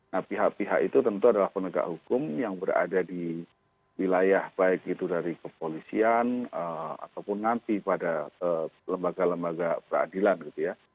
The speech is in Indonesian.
nah pihak pihak itu tentu adalah penegak hukum yang berada di wilayah baik itu dari kepolisian ataupun nanti pada lembaga lembaga peradilan gitu ya